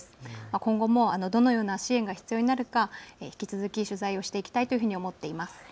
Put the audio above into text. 今後もどのような支援が必要になるか、引き続き取材をしていきたいと思います。